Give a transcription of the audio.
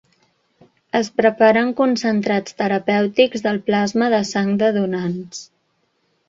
Es preparen concentrats terapèutics del plasma de sang de donants.